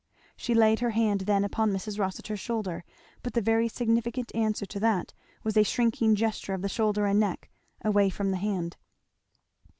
She laid her hand then upon Mrs. Rossitur's shoulder, but the very significant answer to that was a shrinking gesture of the shoulder and neck, away from the hand.